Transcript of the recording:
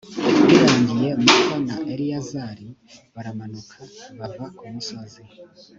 birangiye, musa na eleyazari baramanuka bava ku musozi.